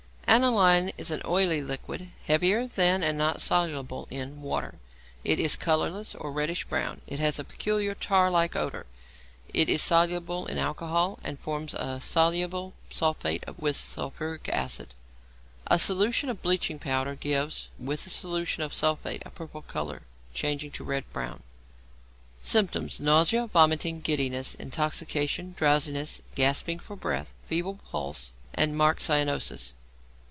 =Aniline= is an oily liquid, heavier than, and not soluble in, water. It is colourless or reddish brown; it has a peculiar tar like odour; it is soluble in alcohol, and forms a soluble sulphate with sulphuric acid. A solution of bleaching powder gives with solution of the sulphate a purple colour changing to red brown. Symptoms. Nausea, vomiting, giddiness, intoxication, drowsiness, gasping for breath, feeble pulse, and marked cyanosis.